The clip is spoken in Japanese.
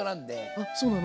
あそうなの？